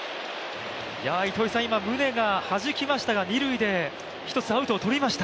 糸井さん宗がはじきましたが二塁で一つアウトを取りました。